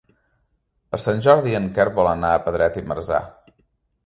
Per Sant Jordi en Quer vol anar a Pedret i Marzà.